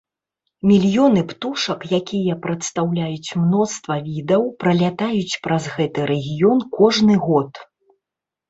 Мільёны птушак, якія прадстаўляюць мноства відаў, пралятаюць праз гэты рэгіён кожны год.